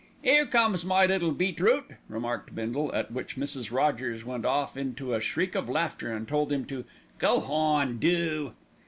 "'Ere comes my little beetroot," remarked Bindle; at which Mrs. Rogers went off into a shriek of laughter and told him to "Go hon, do!"